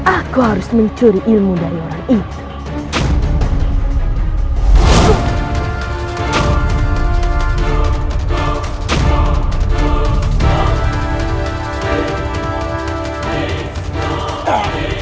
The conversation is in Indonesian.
aku harus mencuri ilmu dari orang ini